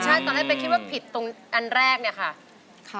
ตอนแรกไปคิดว่าผิดตรงอันแรกนี่ค่ะ